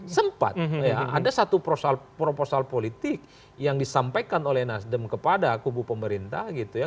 sempat ada satu proposal politik yang disampaikan oleh nasdem kepada kubu pemerintah gitu ya